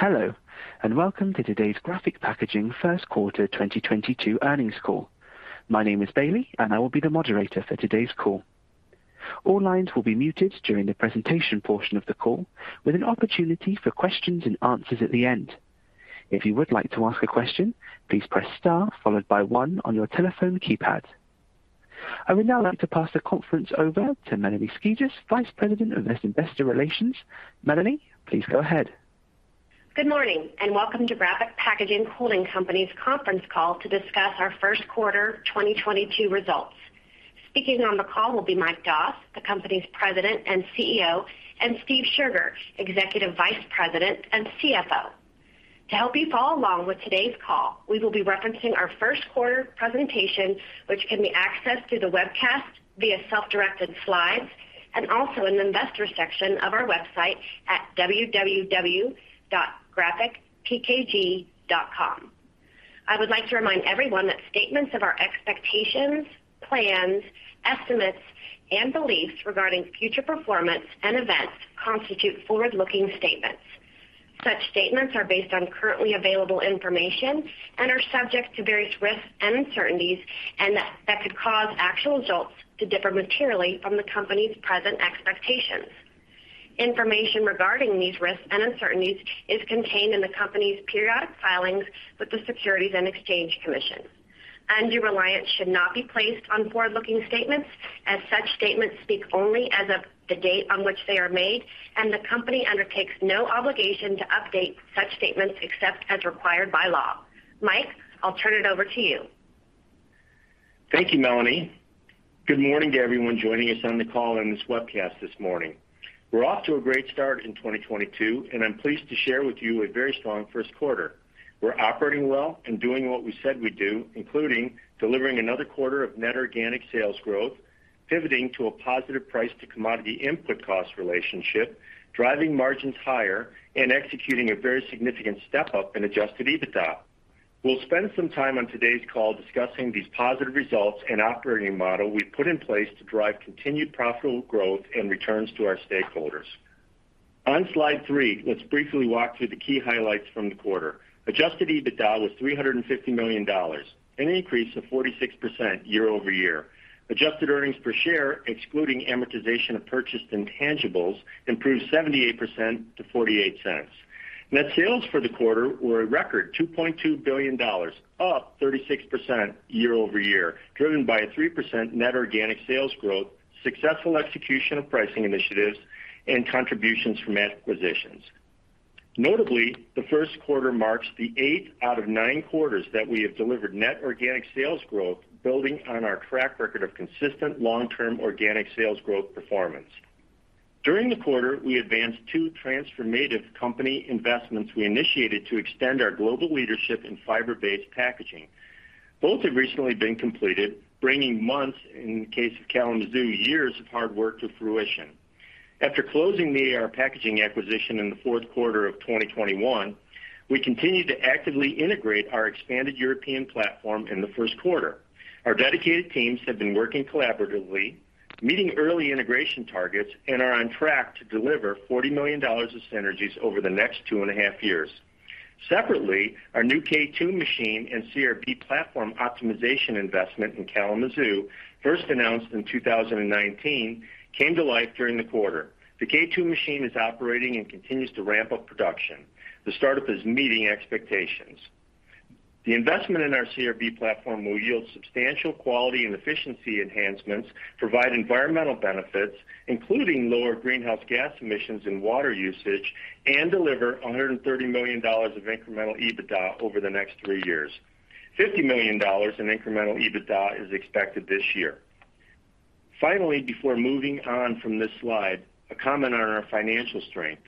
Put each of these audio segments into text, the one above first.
Hello, and welcome to today's Graphic Packaging Q1 2022 earnings call. My name is Bailey, and I will be the moderator for today's call. All lines will be muted during the presentation portion of the call, with an opportunity for questions and answers at the end. If you would like to ask a question, please press star followed by one on your telephone keypad. I would now like to pass the conference over to Melanie Skijus, Vice President of Investor Relations. Melanie, please go ahead. Good morning, and welcome to Graphic Packaging Holding Company's conference call to discuss our Q1 2022 results. Speaking on the call will be Mike Doss, the company's President and Chief Executive Officer, and Steve Scherger, Executive Vice President and Chief Financial Officer. To help you follow along with today's call, we will be referencing our Q1 presentation, which can be accessed through the webcast via self-directed slides and also in the investor section of our website at www.graphicpkg.com. I would like to remind everyone that statements of our expectations, plans, estimates, and beliefs regarding future performance and events constitute forward-looking statements. Such statements are based on currently available information and are subject to various risks and uncertainties and that could cause actual results to differ materially from the company's present expectations. Information regarding these risks and uncertainties is contained in the company's periodic filings with the Securities and Exchange Commission. Undue reliance should not be placed on forward-looking statements, as such statements speak only as of the date on which they are made, and the company undertakes no obligation to update such statements except as required by law. Mike, I'll turn it over to you. Thank you, Melanie. Good morning to everyone joining us on the call on this webcast this morning. We're off to a great start in 2022, and I'm pleased to share with you a very strong first quarter. We're operating well and doing what we said we'd do, including delivering another quarter of net organic sales growth, pivoting to a positive price to commodity input cost relationship, driving margins higher, and executing a very significant step-up in adjusted EBITDA. We'll spend some time on today's call discussing these positive results and operating model we've put in place to drive continued profitable growth and returns to our stakeholders. On slide three, let's briefly walk through the key highlights from the quarter. Adjusted EBITDA was $350 million, an increase of 46% year-over-year. Adjusted earnings per share, excluding amortization of purchased intangibles, improved 78% to $0.48. Net sales for the quarter were a record $2.2 billion, up 36% year-over-year, driven by a 3% net organic sales growth, successful execution of pricing initiatives, and contributions from acquisitions. Notably, the Q1 marks the eight out of nine quarters that we have delivered net organic sales growth, building on our track record of consistent long-term organic sales growth performance. During the quarter, we advanced two transformative company investments we initiated to extend our global leadership in fiber-based packaging. Both have recently been completed, bringing months, in the case of Kalamazoo, years of hard work to fruition. After closing the AR Packaging acquisition in the Q4 of 2021, we continued to actively integrate our expanded European platform in the Q1. Our dedicated teams have been working collaboratively, meeting early integration targets, and are on track to deliver $40 million of synergies over the next two and a half years. Separately, our new K2 machine and CRB platform optimization investment in Kalamazoo, first announced in 2019, came to life during the quarter. The K2 machine is operating and continues to ramp up production. The startup is meeting expectations. The investment in our CRB platform will yield substantial quality and efficiency enhancements, provide environmental benefits, including lower greenhouse gas emissions and water usage, and deliver $130 million of incremental EBITDA over the next three years. $50 million in incremental EBITDA is expected this year. Finally, before moving on from this slide, a comment on our financial strength.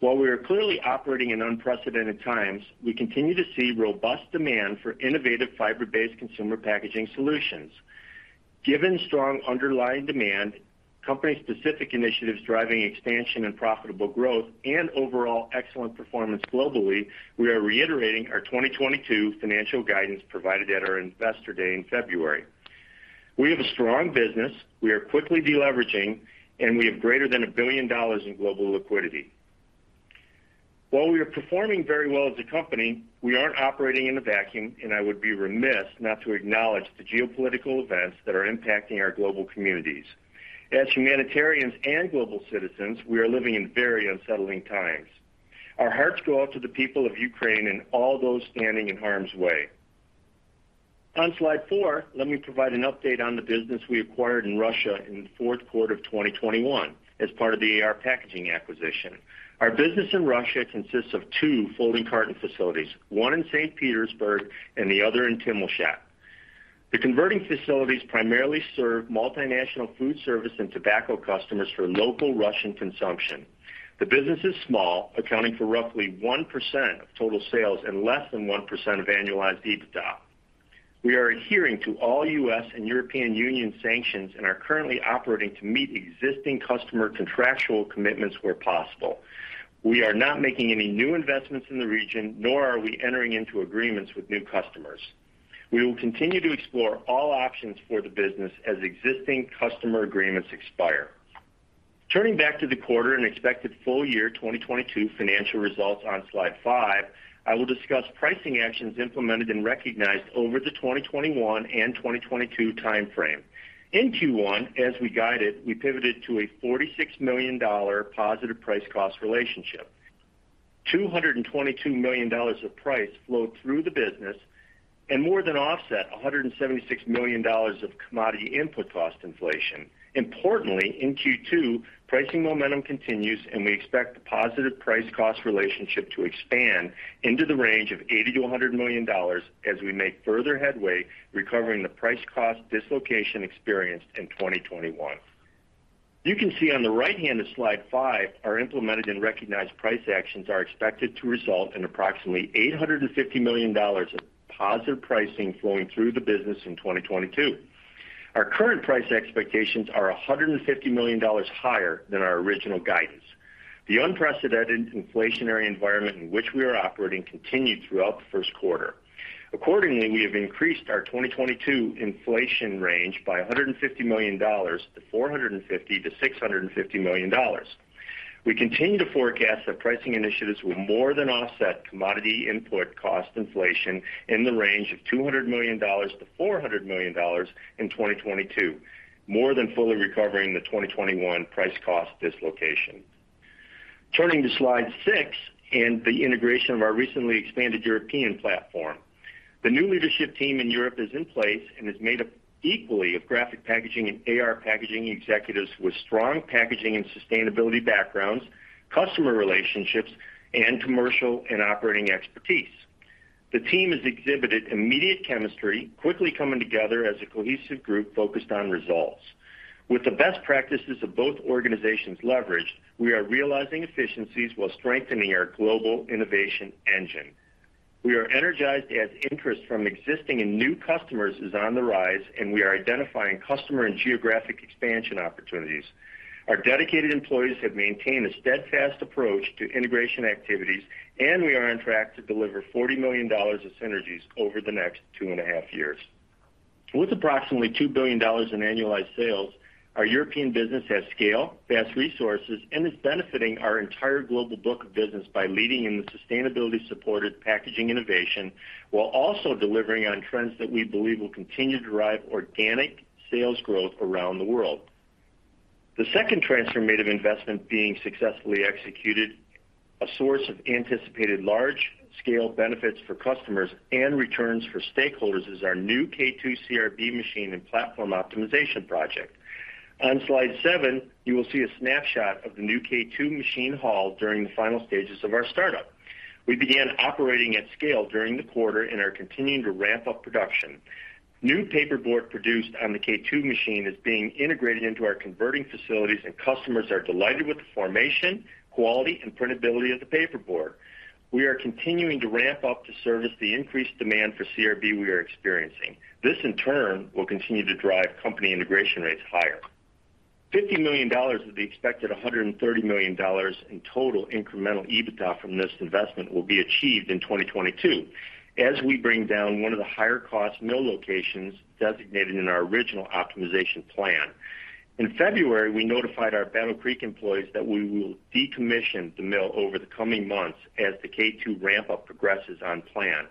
While we are clearly operating in unprecedented times, we continue to see robust demand for innovative fiber-based consumer packaging solutions. Given strong underlying demand, company-specific initiatives driving expansion and profitable growth and overall excellent performance globally, we are reiterating our 2022 financial guidance provided at our Investor Day in February. We have a strong business, we are quickly deleveraging, and we have greater than $1 billion in global liquidity. While we are performing very well as a company, we aren't operating in a vacuum, and I would be remiss not to acknowledge the geopolitical events that are impacting our global communities. As humanitarians and global citizens, we are living in very unsettling times. Our hearts go out to the people of Ukraine and all those standing in harm's way. On slide four, let me provide an update on the business we acquired in Russia in the Q4 of 2021 as part of the AR Packaging acquisition. Our business in Russia consists of two folding carton facilities, one in St. Petersburg and the other in Timashevsk. The converting facilities primarily serve multinational food service and tobacco customers for local Russian consumption. The business is small, accounting for roughly 1% of total sales and less than 1% of annualized EBITDA. We are adhering to all U.S. and European Union sanctions and are currently operating to meet existing customer contractual commitments where possible. We are not making any new investments in the region, nor are we entering into agreements with new customers. We will continue to explore all options for the business as existing customer agreements expire. Turning back to the quarter and expected full year 2022 financial results on slide 5, I will discuss pricing actions implemented and recognized over the 2021 and 2022 time frame. In Q1, as we guided, we pivoted to a $46 million positive price cost relationship. $222 million of price flowed through the business and more than offset $176 million of commodity input cost inflation. Importantly, in Q2, pricing momentum continues, and we expect the positive price cost relationship to expand into the range of $80 million-$100 million as we make further headway recovering the price cost dislocation experienced in 2021. You can see on the right hand of slide five, our implemented and recognized price actions are expected to result in approximately $850 million of positive pricing flowing through the business in 2022. Our current price expectations are $150 million higher than our original guidance. The unprecedented inflationary environment in which we are operating continued throughout the Q1. Accordingly, we have increased our 2022 inflation range by $150 million to $450 million-$650 million. We continue to forecast that pricing initiatives will more than offset commodity input cost inflation in the range of $200 million-$400 million in 2022, more than fully recovering the 2021 price cost dislocation. Turning to slide six and the integration of our recently expanded European platform. The new leadership team in Europe is in place and is made up equally of Graphic Packaging and AR Packaging executives with strong packaging and sustainability backgrounds, customer relationships, and commercial and operating expertise. The team has exhibited immediate chemistry, quickly coming together as a cohesive group focused on results. With the best practices of both organizations leveraged, we are realizing efficiencies while strengthening our global innovation engine. We are energized as interest from existing and new customers is on the rise, and we are identifying customer and geographic expansion opportunities. Our dedicated employees have maintained a steadfast approach to integration activities, and we are on track to deliver $40 million of synergies over the next two and a half years. With approximately $2 billion in annualized sales, our European business has scale, best resources, and is benefiting our entire global book of business by leading in the sustainability-supported packaging innovation while also delivering on trends that we believe will continue to drive organic sales growth around the world. The second transformative investment being successfully executed, a source of anticipated large-scale benefits for customers and returns for stakeholders, is our new K2 CRB machine and platform optimization project. On slide seven, you will see a snapshot of the new K2 machine hall during the final stages of our startup. We began operating at scale during the quarter and are continuing to ramp up production. New paperboard produced on the K2 machine is being integrated into our converting facilities, and customers are delighted with the formation, quality, and printability of the paperboard. We are continuing to ramp up to service the increased demand for CRB we are experiencing. This, in turn, will continue to drive company integration rates higher. $50 million of the expected $130 million in total incremental EBITDA from this investment will be achieved in 2022 as we bring down one of the higher cost mill locations designated in our original optimization plan. In February, we notified our Battle Creek employees that we will decommission the mill over the coming months as the K2 ramp up progresses on plan.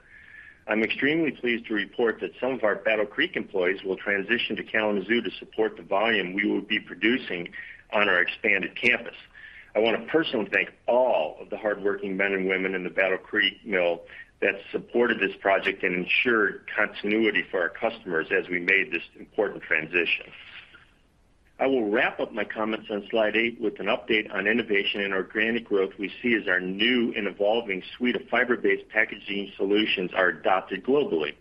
I'm extremely pleased to report that some of our Battle Creek employees will transition to Kalamazoo to support the volume we will be producing on our expanded campus. I want to personally thank all of the hardworking men and women in the Battle Creek mill that supported this project and ensured continuity for our customers as we made this important transition. I will wrap up my comments on slide eight with an update on innovation and organic growth we see as our new and evolving suite of fiber-based packaging solutions are adopted globally.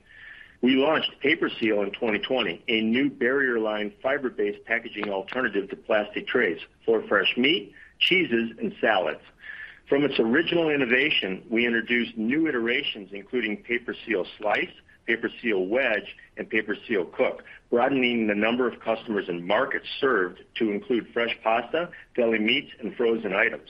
We launched PaperSeal in 2020, a new barrier-lined fiber-based packaging alternative to plastic trays for fresh meat, cheeses and salads. From its original innovation, we introduced new iterations including PaperSeal Slice, PaperSeal Wedge, and PaperSeal Cook, broadening the number of customers and markets served to include fresh pasta, deli meats, and frozen items.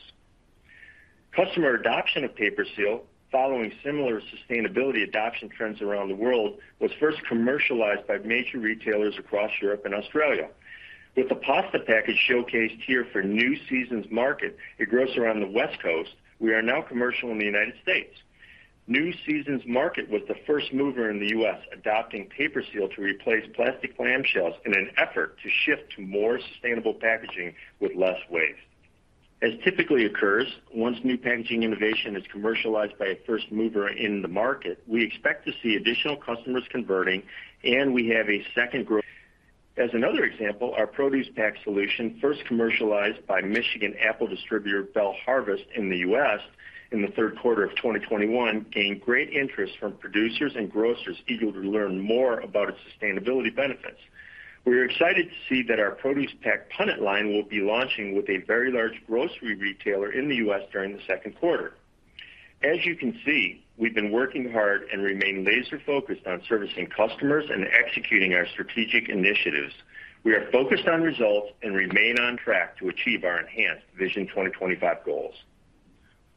Customer adoption of PaperSeal, following similar sustainability adoption trends around the world, was first commercialized by major retailers across Europe and Australia. With the pasta package showcased here for New Seasons Market, it goes around the West Coast. We are now commercial in the United States. New Seasons Market was the first mover in the U.S., adopting PaperSeal to replace plastic clam shells in an effort to shift to more sustainable packaging with less waste. As typically occurs, once new packaging innovation is commercialized by a first mover in the market, we expect to see additional customers converting, and we have a second group. As another example, our ProducePack solution, first commercialized by Michigan apple distributor BelleHarvest in the U.S. in the Q3 of 2021, gained great interest from producers and grocers eager to learn more about its sustainability benefits. We are excited to see that our ProducePack punnet line will be launching with a very large grocery retailer in the U.S. during the Q2. As you can see, we've been working hard and remain laser focused on servicing customers and executing our strategic initiatives. We are focused on results and remain on track to achieve our enhanced Vision 2025 goals.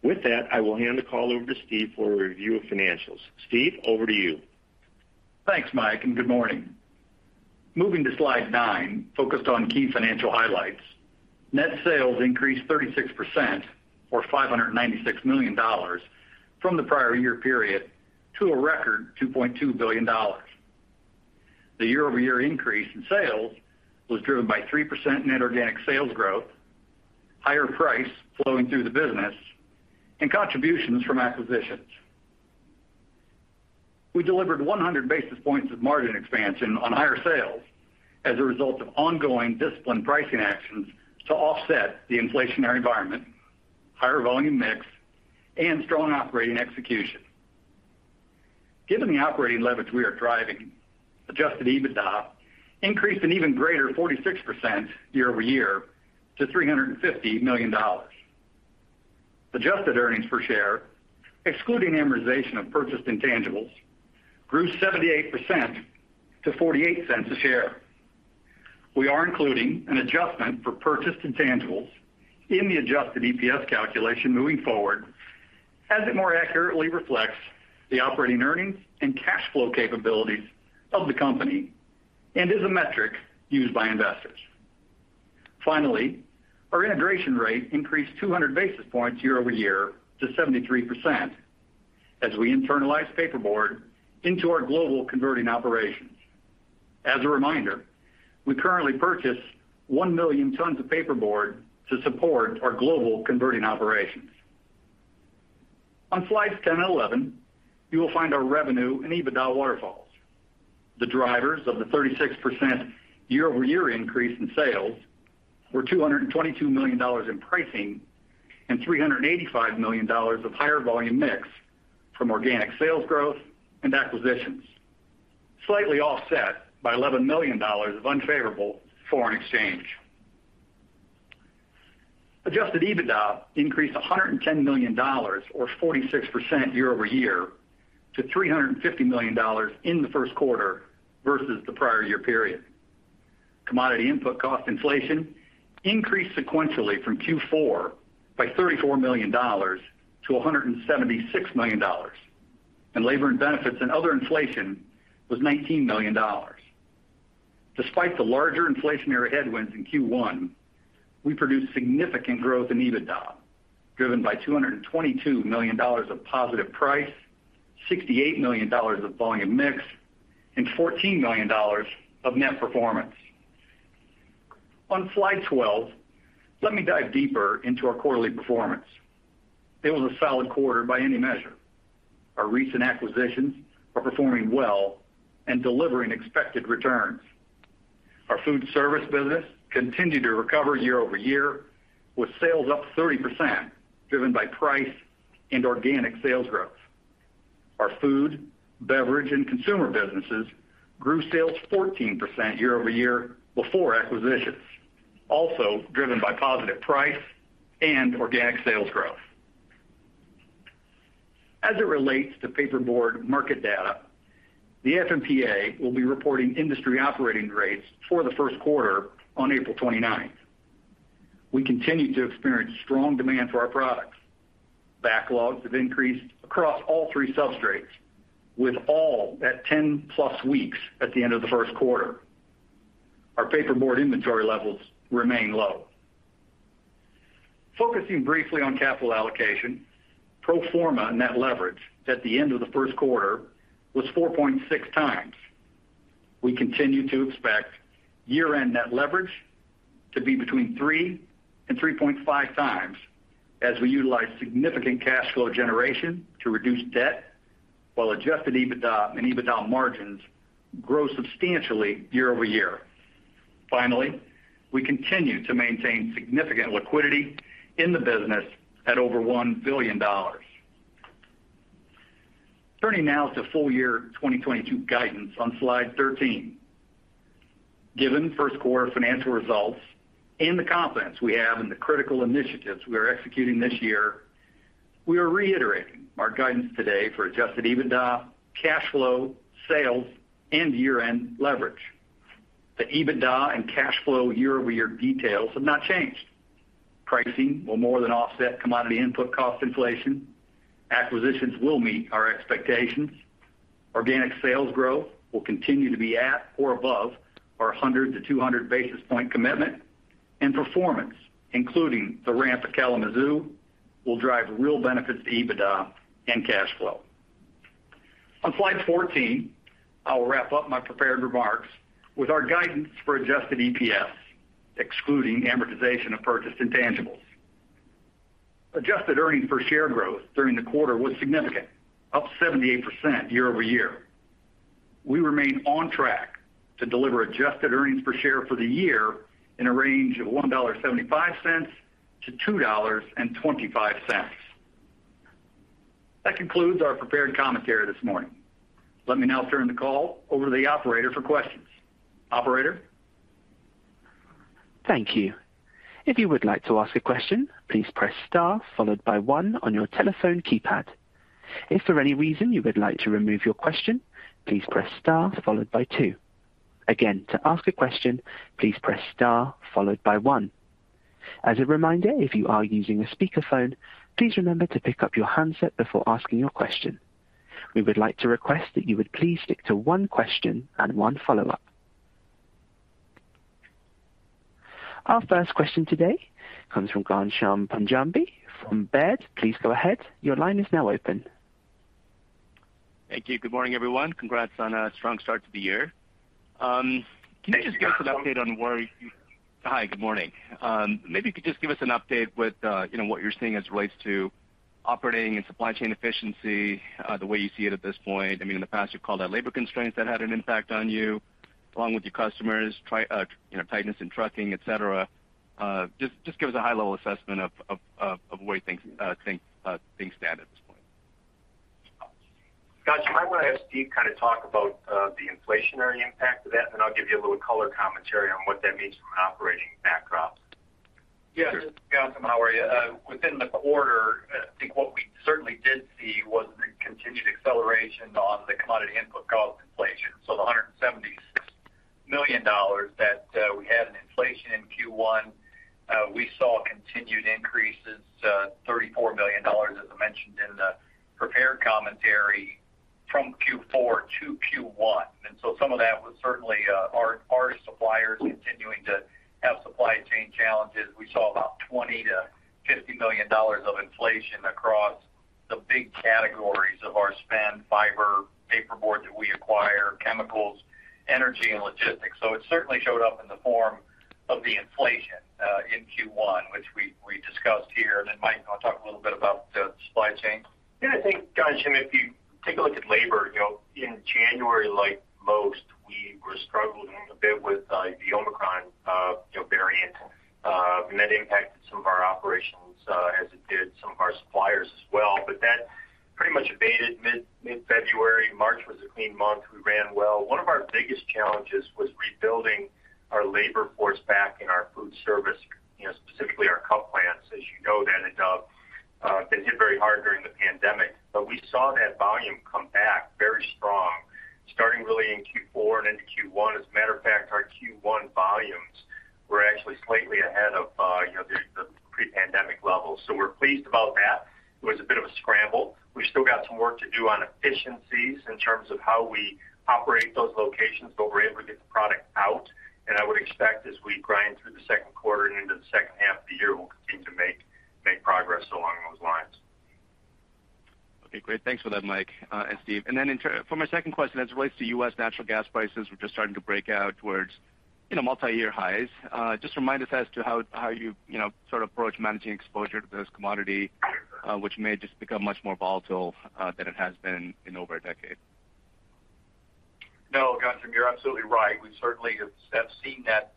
With that, I will hand the call over to Steve for a review of financials. Steve, over to you. Thanks, Mike, and good morning. Moving to slide nine, focused on key financial highlights. Net sales increased 36% or $596 million from the prior year period to a record $2.2 billion. The year-over-year increase in sales was driven by 3% net organic sales growth, higher price flowing through the business, and contributions from acquisitions. We delivered 100 basis points of margin expansion on higher sales as a result of ongoing disciplined pricing actions to offset the inflationary environment, higher volume mix, and strong operating execution. Given the operating leverage we are driving, adjusted EBITDA increased an even greater 46% year-over-year to $350 million. Adjusted earnings per share, excluding amortization of purchased intangibles, grew 78% to $0.48 a share. We are including an adjustment for purchased intangibles in the adjusted EPS calculation moving forward as it more accurately reflects the operating earnings and cash flow capabilities of the company and is a metric used by investors. Our integration rate increased 200 basis points year-over-year to 73% as we internalize paperboard into our global converting operations. As a reminder, we currently purchase 1,000,000 tons of paperboard to support our global converting operations. On slides 10 and 11, you will find our revenue and EBITDA waterfalls. The drivers of the 36% year-over-year increase in sales were $222 million in pricing and $385 million of higher volume mix from organic sales growth and acquisitions, slightly offset by $11 million of unfavorable foreign exchange. Adjusted EBITDA increased $110 million or 46% year-over-year to $350 million in the Q1 versus the prior year period. Commodity input cost inflation increased sequentially from Q4 by $34 million to $176 million. Labor and benefits and other inflation was $19 million. Despite the larger inflationary headwinds in Q1, we produced significant growth in EBITDA, driven by $222 million of positive price, $68 million of volume mix, and $14 million of net performance. On slide 12, let me dive deeper into our quarterly performance. It was a solid quarter by any measure. Our recent acquisitions are performing well and delivering expected returns. Our food service business continued to recover year-over-year, with sales up 30% driven by price and organic sales growth. Our food, beverage, and consumer businesses grew sales 14% year-over-year before acquisitions, also driven by positive price and organic sales growth. As it relates to paperboard market data, the AF&PA will be reporting industry operating rates for the Q1 on April 29. We continue to experience strong demand for our products. Backlogs have increased across all three substrates, with all at 10+ weeks at the end of the Q1. Our paperboard inventory levels remain low. Focusing briefly on capital allocation, pro forma net leverage at the end of the Q1 was 4.6x. We continue to expect year-end net leverage to be between 3x and 3.5x as we utilize significant cash flow generation to reduce debt while adjusted EBITDA and EBITDA margins grow substantially year-over-year. Finally, we continue to maintain significant liquidity in the business at over $1 billion. Turning now to full year 2022 guidance on slide 13. Given Q1 financial results and the confidence we have in the critical initiatives we are executing this year, we are reiterating our guidance today for adjusted EBITDA, cash flow, sales, and year-end leverage. The EBITDA and cash flow year-over-year details have not changed. Pricing will more than offset commodity input cost inflation. Acquisitions will meet our expectations. Organic sales growth will continue to be at or above our 100-200 basis point commitment. Performance, including the ramp at Kalamazoo, will drive real benefits to EBITDA and cash flow. On slide 14, I will wrap up my prepared remarks with our guidance for adjusted EPS, excluding amortization of purchased intangibles. Adjusted earnings per share growth during the quarter was significant, up 78% year-over-year. We remain on track to deliver adjusted earnings per share for the year in a range of $1.75-$2.25. That concludes our prepared commentary this morning. Let me now turn the call over to the operator for questions. Operator? Thank you. If you would like to ask a question, please press star followed by one on your telephone keypad. If for any reason you would like to remove your question, please press star followed by two. Again, to ask a question, please press star followed by one. As a reminder, if you are using a speakerphone, please remember to pick up your handset before asking your question. We would like to request that you would please stick to one question and one follow-up. Our first question today comes from Ghansham Panjabi from Baird. Please go ahead. Your line is now open. Thank you. Good morning, everyone. Congrats on a strong start to the year. Hi, good morning. Maybe you could just give us an update with, you know, what you're seeing as it relates to operating and supply chain efficiency, the way you see it at this point. I mean, in the past, you've called out labor constraints that had an impact on you along with your customers, tightness in trucking, et cetera. Just give us a high-level assessment of where things stand at this point. Ghansham, I'm gonna have Steve kind of talk about the inflationary impact of that, and then I'll give you a little color commentary on what that means from an operating backdrop. Yeah. Ghansham, how are you? Within the quarter, I think what we certainly did see was the continued acceleration on the commodity input cost inflation. The $176 million that we had in inflation in Q1, we saw continued increases, $34 million, as I mentioned in the prepared commentary from Q4 to Q1. Some of that was certainly our suppliers continuing to have supply chain challenges. We saw about $20 million-$50 million of inflation across the big categories of our spend, fiber, paperboard that we acquire, chemicals, energy, and logistics. It certainly showed up in the form of the inflation in Q1, which we discussed here. Mike, wanna talk a little bit about the supply chain? Yeah, I think, Ghansham, if you take a look at labor, you know, in January, like most, we were struggling a bit with the Omicron, you know, variant. That impacted some of our operations, as it did some of our suppliers as well. That pretty much abated mid-February. March was a clean month. We ran well. One of our biggest challenges was rebuilding our labor force back in our food service, you know, specifically our cup plants. As you know, that had been hit very hard during the pandemic. We saw that volume come back very strong, starting really in Q4 and into Q1. As a matter of fact, our Q1 volumes were actually slightly ahead of, you know, the pre-pandemic levels. We're pleased about that. It was a bit of a scramble. We still got some work to do on efficiencies in terms of how we operate those locations, but we're able to get the product out. I would expect as we grind through the Q2 and into the second half of the year, we'll continue to make progress along those lines. Okay, great. Thanks for that, Mike, and Steve. Then for my second question, as it relates to U.S. natural gas prices, which are starting to break out towards, you know, multi-year highs, just remind us as to how you know, sort of approach managing exposure to this commodity, which may just become much more volatile than it has been in over a decade. No, Ghansham, you're absolutely right. We certainly have seen that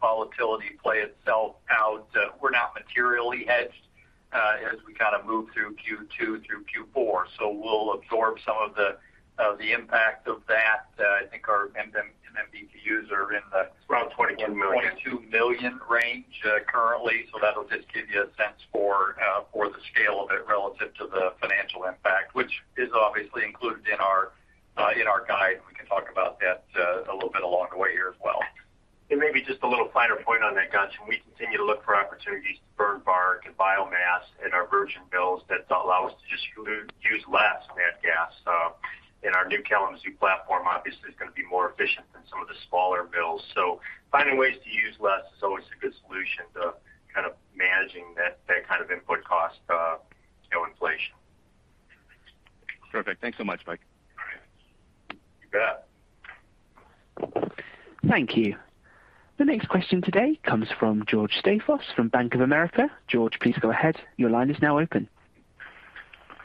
volatility play itself out. We're not materially hedged as we kinda move through Q2 through Q4. We'll absorb some of the impact of that. I think our MMBtus are in the- Around $22 million. In the $22 million range, currently. That'll just give you a sense for the scale of it relative to the financial impact, which is obviously included in our guide. We can talk about that a little bit along the way here as well. Maybe just a little finer point on that, Ghansham. We continue to look for opportunities to burn bark and biomass in our virgin builds that allow us to just use less nat gas. Our new Kalamazoo platform obviously is gonna be more efficient than some of the smaller builds. Finding ways to use less is always a good solution to kind of managing that kind of input cost inflation. Perfect. Thanks so much, Mike. All right. You bet. Thank you. The next question today comes from George Staphos from Bank of America. George, please go ahead. Your line is now open.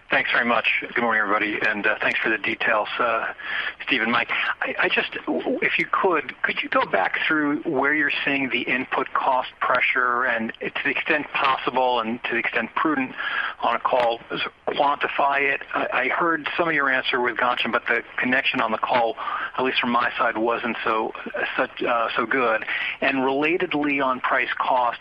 Thanks very much. Good morning, everybody, and thanks for the details, Steve and Mike. If you could go back through where you're seeing the input cost pressure and to the extent possible and to the extent prudent on a call, quantify it? I heard some of your answer with Ghansham, but the connection on the call, at least from my side, wasn't so good. Relatedly on price-cost,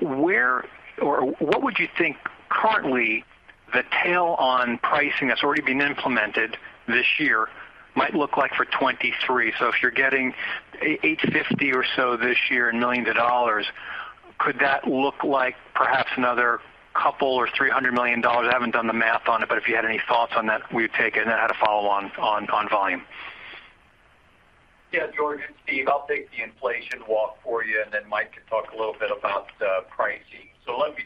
where or what would you think currently the tail on pricing that's already been implemented this year might look like for 2023? If you're getting $850 million or so this year, could that look like perhaps another couple or 300 million dollars? I haven't done the math on it, but if you had any thoughts on that, we'd take it. I had a follow on volume. Yeah, George and Steve, I'll take the inflation walk for you, and then Mike can talk a little bit about pricing. Let me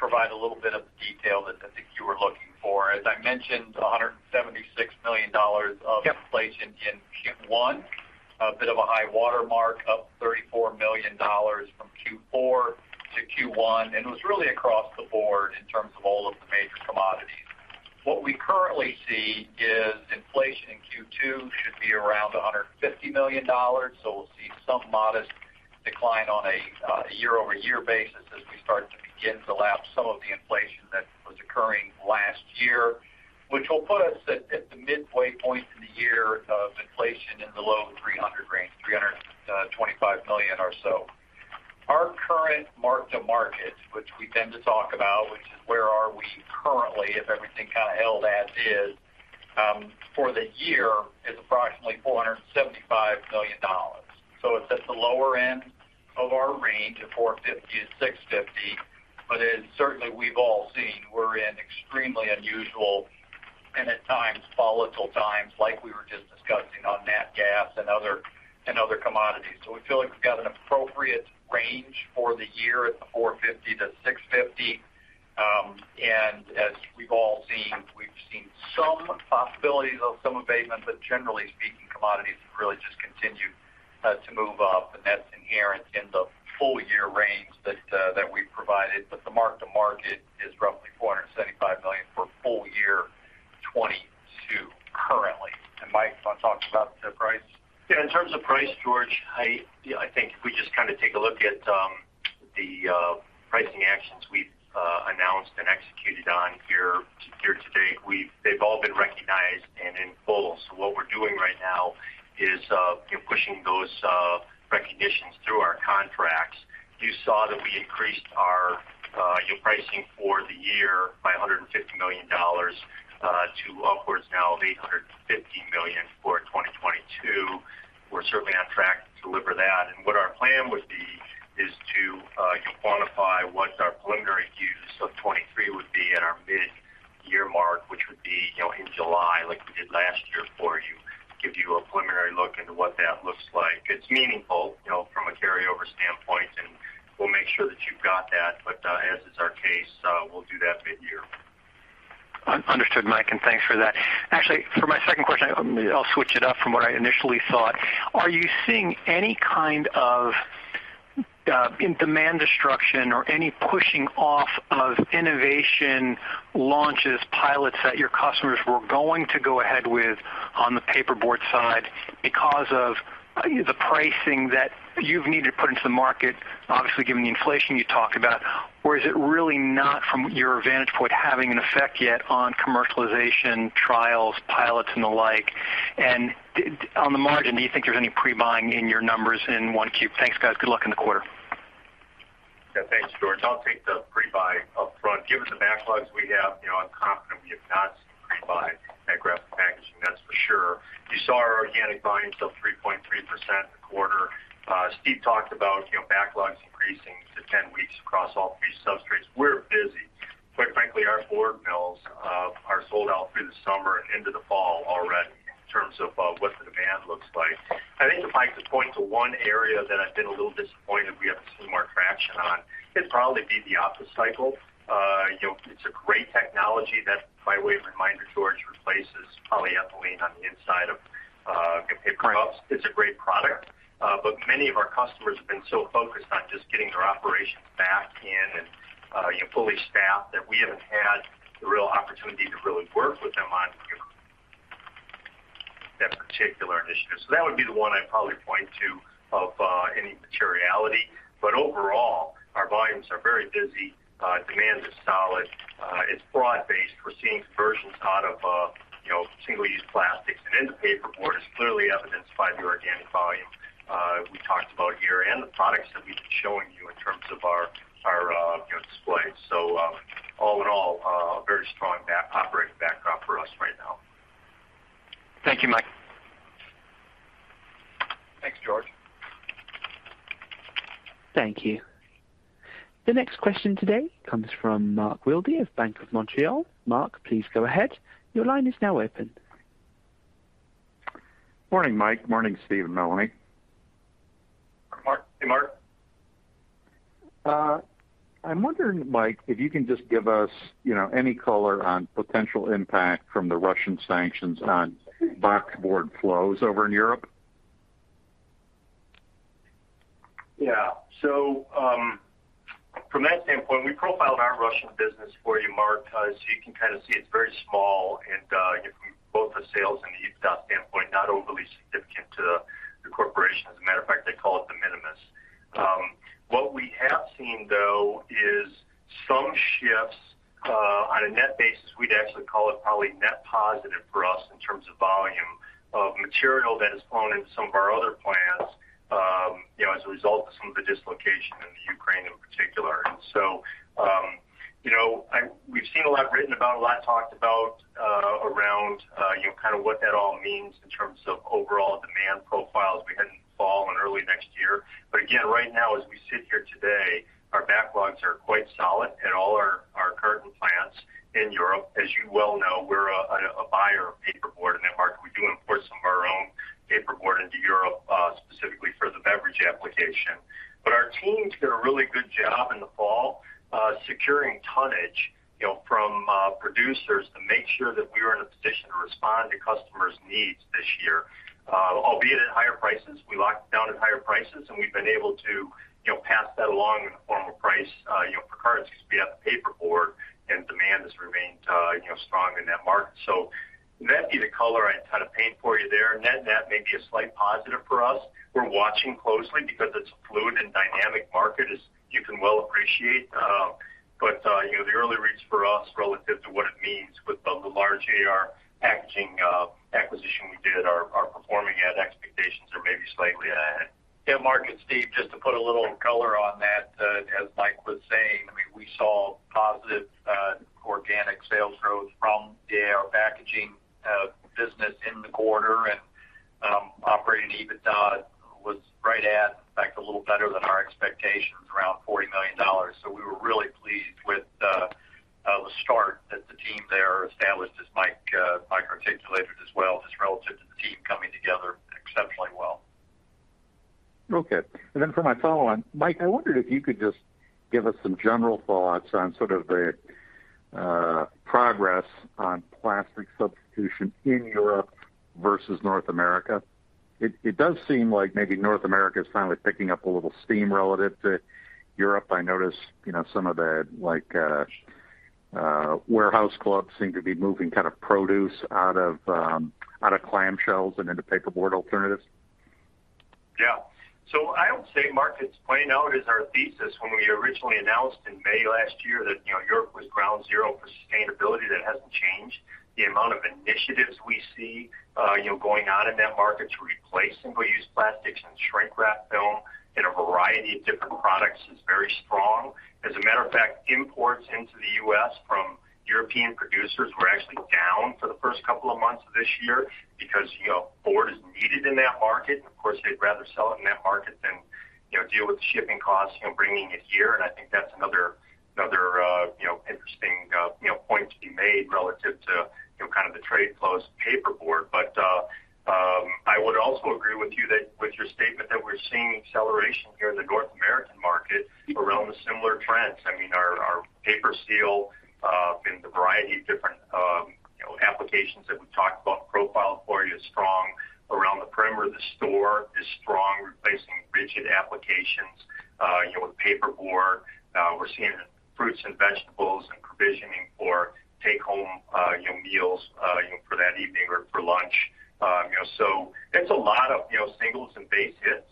just provide a little bit of detail that I think you were looking for. As I mentioned, $176 million of- Yep. Inflation in Q1, a bit of a high water mark, up $34 million from Q4 to Q1, and was really across the board in terms of all of the major commodities. What we currently see is inflation in Q2 should be around $150 million. We'll see some modest decline on a year-over-year basis as we start to begin to lap some of the inflation that was occurring last year, which will put us at the midway point in the year of inflation in the low 300 range, $325 million or so. Our current mark-to-market, which we tend to talk about, which is where are we currently if everything kind of held as is, for the year is approximately $475 million. It's at the lower end of our range of $450 million-$650 million. As certainly we've all seen, we're in extremely unusual and at times volatile times like we were just discussing on nat gas and other commodities. We feel like we've got an appropriate range for the year at the $450 million-$650 million. We've all seen some possibilities of some abatement. Generally speaking, commodities have really just continued to move up, and that's inherent in the full year range that we provided. The mark-to-market is roughly $475 million for full year 2022 currently. Mike, wanna talk about the price? Yeah. In terms of price, George, I, you know, I think if we just kind of take a look at the pricing actions we've announced and executed on year to date, they've all been recognized and in full. What we're doing right now is, you know, pushing those recognitions through our contracts. You saw that we increased our, you know, pricing for the year by $150 million, to upwards now of $850 million for 2022. We're certainly on track to deliver that. What our plan would be is to, you know, quantify what our preliminary views of 2023 would be at our mid-year mark, which would be, you know, in July like we did last year for you, give you a preliminary look into what that looks like. It's meaningful, you know, from a carryover standpoint, and we'll make sure that you've got that. As is our case, we'll do that mid-year. Understood, Mike, and thanks for that. Actually, for my second question, I'll switch it up from what I initially thought. Are you seeing any kind of demand destruction or any pushing off of innovation launches, pilots that your customers were going to go ahead with on the paperboard side because of the pricing that you've needed to put into the market, obviously given the inflation you talked about? Or is it really not from your vantage point having an effect yet on commercialization, trials, pilots and the like? On the margin, do you think there's any pre-buying in your numbers in 1Q? Thanks, guys. Good luck in the quarter. Yeah, thanks, George. I'll take the pre-buy upfront. Given the backlogs we have, you know, I'm confident we have not seen pre-buy at Graphic Packaging, that's for sure. You saw our organic volumes of 3.3% in the quarter. Steve talked about, you know, backlogs increasing to 10 weeks across all three substrates. We're busy. Quite frankly, our board mills are sold out through the summer and into the fall already in terms of what the demand looks like. I think if I could point to one area that I've been a little disappointed we haven't seen more traction on, it'd probably be the OptiCycle. You know, it's a great technology that, by way of reminder, George, replaces polyethylene on the inside of your paper cups. Right. It's a great product. Many of our customers have been so focused on just getting their operations back in and, you know, fully staffed, that we haven't had the real opportunity to really work with them on, you know, that particular initiative. That would be the one I'd probably point to of any materiality. Overall, our volumes are very busy. Demand is solid. It's broad-based. We're seeing conversions out of, you know, single-use plastics and into paperboard. It's clearly evidenced by the organic volume we talked about here and the products that we've been showing you in terms of our you know, displays. All in all, very strong operating backdrop for us right now. Thank you, Mike. Thanks, George. Thank you. The next question today comes from Mark Wilde of Bank of Montreal. Mark, please go ahead. Your line is now open. Morning, Mike. Morning, Steve and Melanie. Mark. Hey, Mark. I'm wondering, Mike, if you can just give us, you know, any color on potential impact from the Russian sanctions on boxboard flows over in Europe. Yeah. From that standpoint, we profiled our Russian business for you, Mark. As you can kind of see, it's very small and, you know, from both the sales and the EBITDA standpoint, not overly significant to the corporation. As a matter of fact, they call it de minimis. What we have seen, though, is some shifts on a net basis. We'd actually call it probably net positive for us in terms of volume of material that has flown into some of our other plants, you know, as a result of some of the dislocation in the Ukraine in particular. We've seen a lot written about, a lot talked about, around, you know, kind of what that all means in terms of overall demand profiles behind the fall and early next year. Again, right now as we sit here today, our backlogs are quite solid at all our carton plants in Europe. As you well know, we're a buyer of paperboard in that market. We do import some of our own paperboard into Europe, specifically for the beverage application. Our team's done a really good job in the fall securing tonnage, you know, from producers to make sure that we are in a position to respond to customers' needs this year, albeit at higher prices. We locked down at higher prices, and we've been able to, you know, pass that along in the form of price, you know, for cartons because we have the paperboard and demand has remained, you know, strong in that market. That'd be the color I'd kind of paint for you there. Net-net may be a slight positive for us. We're watching closely because it's a fluid and dynamic market as you can well appreciate. You know, the early reads for us relative to what it means with the large AR Packaging. Performing at expectations or maybe slightly ahead. Yeah, Mark and Steve, just to put a little color on that, as Mike was saying, I mean, we saw positive organic sales growth from our packaging business in the quarter, and operating EBITDA was right at, in fact, a little better than our expectations, around $40 million. We were really pleased with the start that the team there established as Mike articulated as well, just relative to the team coming together exceptionally well. Okay. For my follow-on, Mike, I wondered if you could just give us some general thoughts on sort of the progress on plastic substitution in Europe versus North America. It does seem like maybe North America is finally picking up a little steam relative to Europe. I notice, you know, some of the like warehouse clubs seem to be moving kind of produce out of out of clam shells and into paperboard alternatives. Yeah. I would say Mark, it's playing out as our thesis when we originally announced in May last year that, you know, Europe was ground zero for sustainability, that hasn't changed. The amount of initiatives we see, you know, going on in that market to replace single-use plastics and shrink wrap film in a variety of different products is very strong. As a matter of fact, imports into the U.S. from European producers were actually down for the first couple of months of this year because, you know, board is needed in that market. Of course, they'd rather sell it in that market than, you know, deal with shipping costs, you know, bringing it here. I think that's another, you know, interesting, you know, point to be made relative to, you know, kind of the trade flows paperboard. I would also agree with you that with your statement that we're seeing acceleration here in the North American market around the similar trends. I mean, our PaperSeal in the variety of different, you know, applications that we talked about profiled for you is strong around the perimeter of the store, is strong replacing rigid applications, you know, with paperboard. We're seeing it in fruits and vegetables and packaging for take-home, you know, meals, you know, for that evening or for lunch. You know, so it's a lot of, you know, singles and base hits.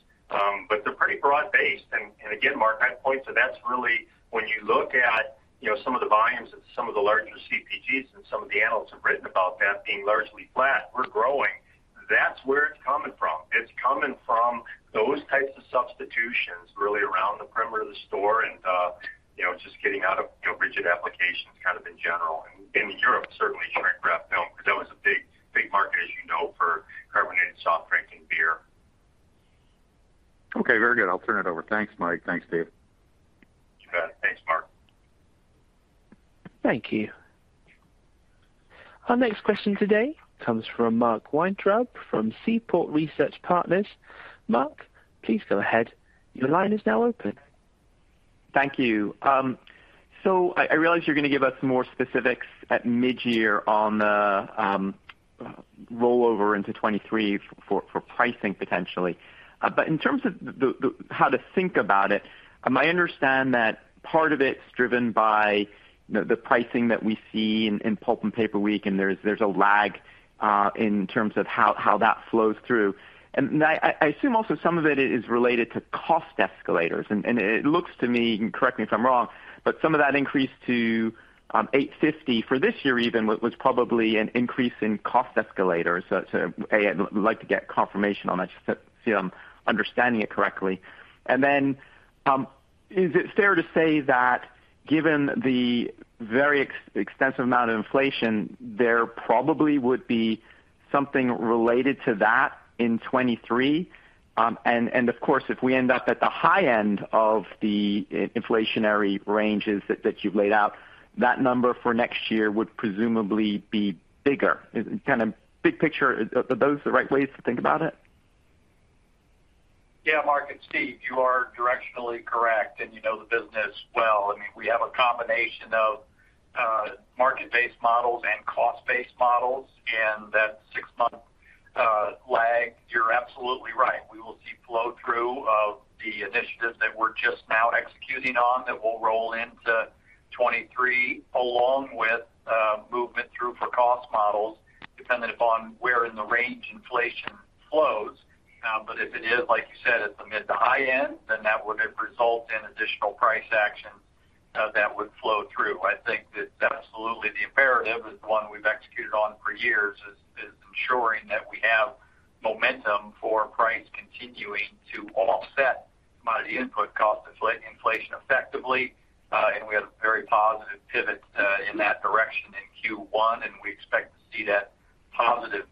They're pretty broad-based. Again, Mark, I'd point to that's really when you look at, you know, some of the volumes of some of the larger CPGs, and some of the analysts have written about that being largely flat, we're growing. That's where it's coming from. It's coming from those types of substitutions really around the perimeter of the store and, you know, just getting out of, you know, rigid applications kind of in general. In Europe, certainly shrink wrap film, because that was a big, big market, as you know, for carbonated soft drink and beer. Okay, very good. I'll turn it over. Thanks, Mike. Thanks, Steve. Sure. Thanks, Mark. Thank you. Our next question today comes from Mark Weintraub from Seaport Research Partners. Mark, please go ahead. Your line is now open. Thank you. I realize you're gonna give us more specifics at mid-year on the rollover into 2023 for pricing potentially. In terms of how to think about it, I understand that part of it's driven by, you know, the pricing that we see in Pulp & Paper Week, and there's a lag in terms of how that flows through. I assume also some of it is related to cost escalators. It looks to me, you can correct me if I'm wrong, but some of that increase to $850 for this year even was probably an increase in cost escalators. A, I'd like to get confirmation on that just to see I'm understanding it correctly. Is it fair to say that given the very extensive amount of inflation, there probably would be something related to that in 2023? Of course, if we end up at the high end of the inflationary ranges that you've laid out, that number for next year would presumably be bigger. Is it kind of big picture, are those the right ways to think about it? Yeah, Mark and Steve, you are directionally correct, and you know the business well. I mean, we have a combination of market-based models and cost-based models, and that six-month lag, you're absolutely right. We will see flow-through of the initiatives that we're just now executing on that will roll into 2023, along with movement through for cost models dependent upon where in the range inflation flows. If it is, like you said, at the mid to high end, then that would result in additional price action that would flow through. I think that absolutely the imperative is the one we've executed on for years is ensuring that we have momentum for price continuing to offset commodity input cost inflation effectively. We had a very positive pivot in that direction in Q1, and we expect to see that positive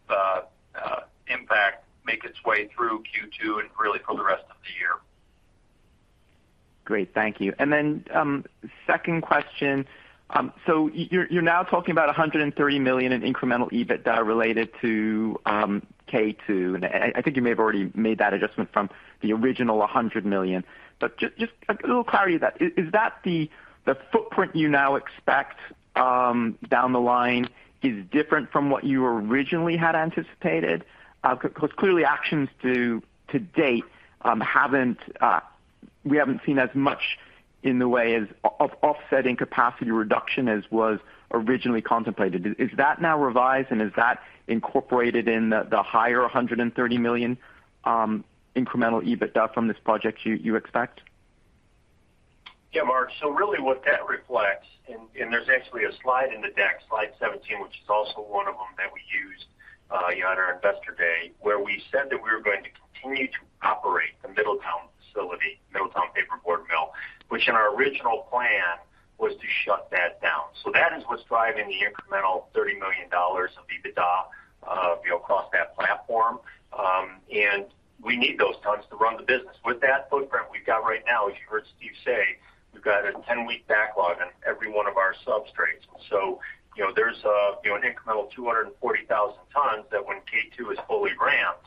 impact make its way through Q2 and really for the rest of the year. Great. Thank you. Then, second question. So you're now talking about $130 million in incremental EBITDA related to K2, and I think you may have already made that adjustment from the original $100 million. But just a little clarity that is that the footprint you now expect down the line is different from what you originally had anticipated? 'Cause clearly actions to date, we haven't seen as much in the way of offsetting capacity reduction as was originally contemplated. Is that now revised, and is that incorporated in the higher $130 million incremental EBITDA from this project you expect? Yeah, Mark. Really what that reflects, and there's actually a slide in the deck, slide 17, which is also one of them that we used, you know, on our Investor Day, where we said that we were going to continue to operate the Middletown facility, Middletown Paperboard Mill, which in our original plan was to shut that down. That is what's driving the incremental $30 million of EBITDA, you know, across that platform. And we need those tons to run the business. With that footprint we've got right now, as you heard Steve say, we've got a 10-week backlog on every one of our substrates. You know, there's an incremental 240,000 tons that when K2 is fully ramped,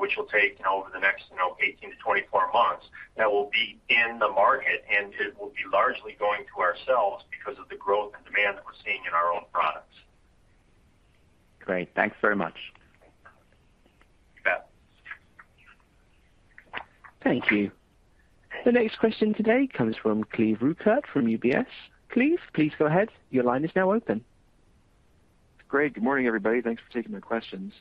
which will take, you know, over the next 18-24 months, that will be in the market, and it will be largely going to ourselves because of the growth and demand that we're seeing in our own products. Great. Thanks very much. You bet. Thank you. The next question today comes from Cleve Rueckert from UBS. Cleve, please go ahead. Your line is now open. Great. Good morning, everybody. Thanks for taking my questions.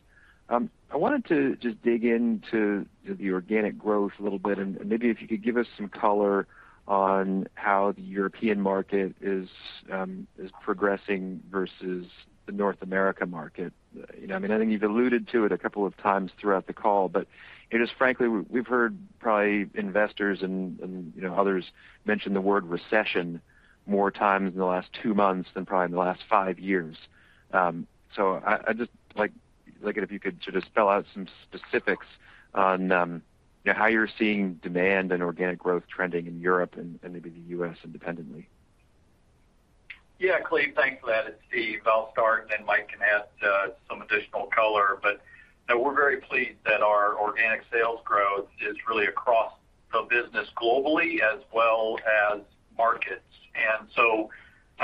I wanted to just dig into the organic growth a little bit, and maybe if you could give us some color on how the European market is progressing versus the North America market. You know, I mean, I think you've alluded to it a couple of times throughout the call, but it is frankly, we've heard probably investors and, you know, others mention the word recession more times in the last two months than probably in the last five years. So I just like if you could just spell out some specifics on, you know, how you're seeing demand and organic growth trending in Europe and maybe the US independently. Yeah, Cleve, thanks for that. It's Steve. I'll start, and then Mike can add some additional color. You know, we're very pleased that our organic sales growth is really across the business globally as well as markets.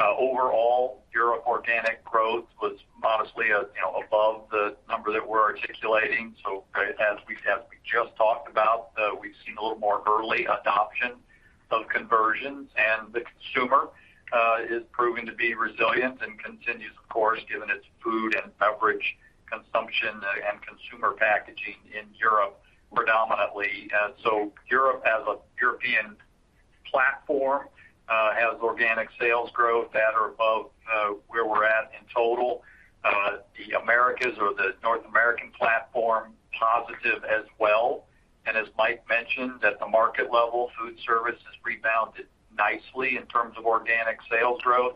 Overall, Europe organic growth was modestly, as you know, above the number that we're articulating. As we just talked about, we've seen a little more early adoption of conversions, and the consumer is proving to be resilient and continues, of course, given its food and beverage consumption and consumer packaging in Europe predominantly. Europe as a European platform has organic sales growth at or above where we're at in total. The Americas or the North American platform, positive as well. As Mike mentioned, at the market level, food service has rebounded nicely in terms of organic sales growth.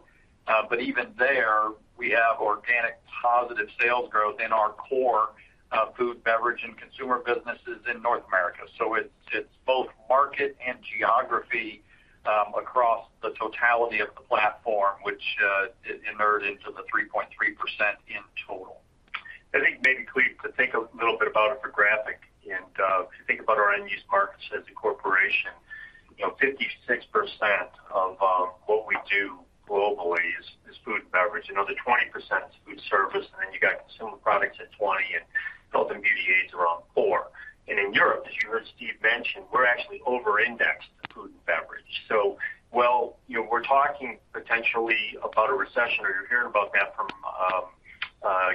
But even there, we have organic positive sales growth in our core food, beverage, and consumer businesses in North America. It's both market and geography across the totality of the platform, which emerged into the 3.3% in total. I think maybe, Cleve, to think a little bit about it for Graphic and if you think about our end use markets as a corporation, you know, 56% of what we do globally is food and beverage. Another 20% is food service, and then you got consumer products at 20, and health and beauty aids around 4. In Europe, as you heard Steve mention, we're actually over-indexed to food and beverage. While, you know, we're talking potentially about a recession or you're hearing about that from,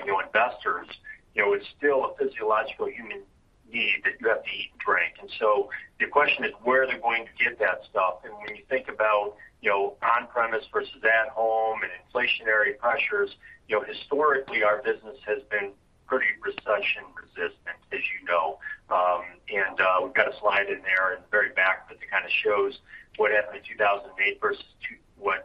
you know, investors, you know, it's still a physiological human need that you have to eat and drink. The question is, where are they going to get that stuff? When you think about, you know, on-premise versus at home and inflationary pressures, you know, historically, our business has been pretty recession-resistant, as you know. We've got a slide in there at the very back that kind of shows what happened in 2008 versus what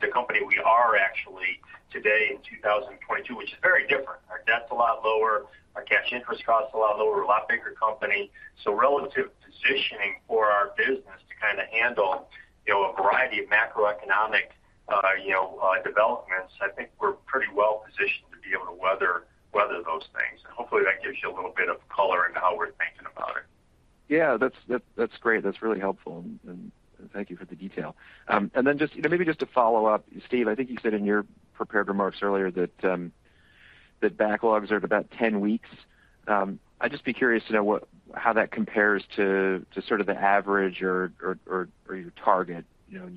the company we are actually today in 2022, which is very different. Our debt's a lot lower, our cash interest cost is a lot lower. We're a lot bigger company. Relative positioning for our business to kind of handle, you know, a variety of macroeconomic developments, I think we're pretty well positioned to be able to weather those things. Hopefully, that gives you a little bit of color into how we're thinking about it. Yeah. That's great. That's really helpful, and thank you for the detail. You know, maybe just to follow up, Steve, I think you said in your prepared remarks earlier that backlogs are at about 10 weeks. I'd just be curious to know how that compares to sort of the average or your target, you know,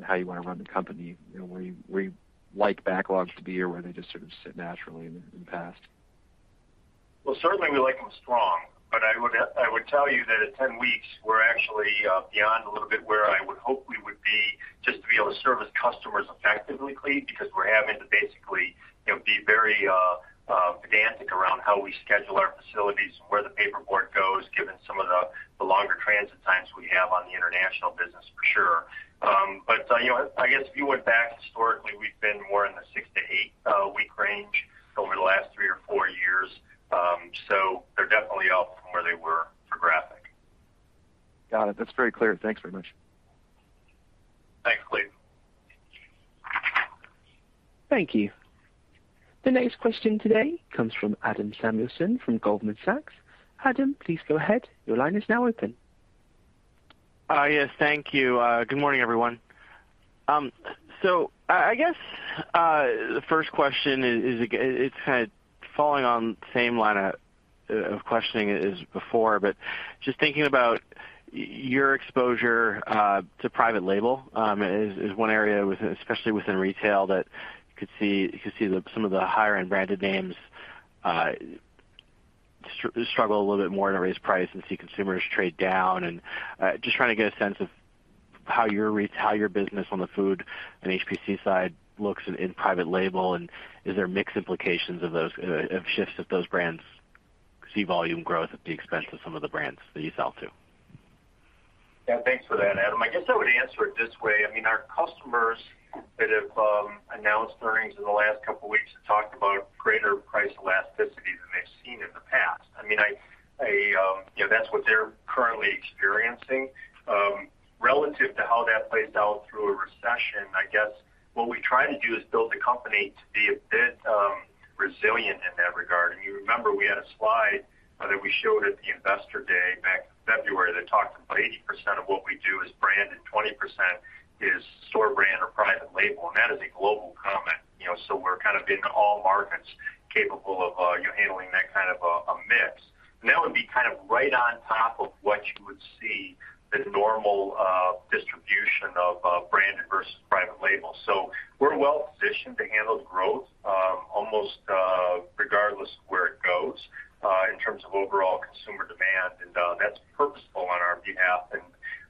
how you want to run the company, you know, where you like backlogs to be or where they just sort of sit naturally in the past. Well, certainly, we like them strong, but I would tell you that at 10 weeks, we're actually beyond a little bit where I would hope we would be just to be able to service customers effectively, Cleve, because we're having to basically, you know, be very pedantic around how we schedule our facilities and where the paperboard goes, given some of the longer transit times we have on the international business, for sure. You know, I guess if you went back historically, we've been more in the 6-8 week range over the last 3 or 4 years. They're definitely up from where they were for Graphic. Got it. That's very clear. Thanks very much. Thanks, Cleve. Thank you. The next question today comes from Adam Samuelson from Goldman Sachs. Adam, please go ahead. Your line is now open. Yes, thank you. Good morning, everyone. So I guess the first question is, it's kind of falling on the same line of questioning as before, but just thinking about your exposure to private label, is one area especially within retail that you could see some of the higher end branded names struggle a little bit more to raise price and see consumers trade down. Just trying to get a sense of how your business on the food and HPC side looks in private label, and is there mix implications of those shifts if those brands see volume growth at the expense of some of the brands that you sell to? Yeah, thanks for that, Adam. I guess I would answer it this way. I mean, our customers that have announced earnings in the last couple weeks have talked about greater price elasticity than they've seen in the past. I mean, you know, that's what they're currently experiencing. Relative to how that plays out through a recession, I guess what we try to do is build the company to be a bit resilient in that regard. You remember we had a slide that we showed at the Investor Day back in February that talked about 80% of what we do is branded, 20% is store brand or private label, and that is a global comment. You know, so we're kind of in all markets capable of, you know, handling that kind of a mix. That would be kind of right on top of what you would see as normal distribution of branded versus private label. We're well positioned to handle the growth, almost regardless of where it goes in terms of overall consumer demand. That's purposeful on our behalf, and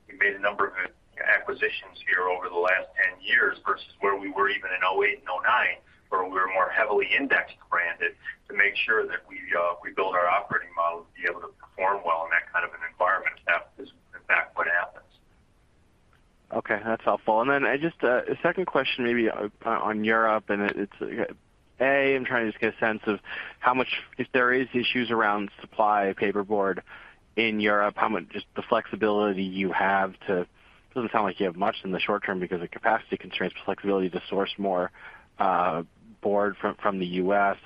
we've made a number of acquisitions here over the last 10 years versus where we were even in 2008 and 2009, where we were more heavily indexed branded to make sure that we build our operating model to be able to perform well in that kind of an environment. That is in fact what happens. Okay, that's helpful. I just a second question maybe on Europe, and it's, I'm trying to just get a sense of how much, if there is issues around supply paperboard in Europe, how much just the flexibility you have to. Doesn't sound like you have much in the short term because of capacity constraints, but flexibility to source more board from the U.S.